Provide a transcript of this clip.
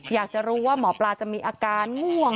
อยากจะรู้ว่าหมอปลาจะมีอาการง่วง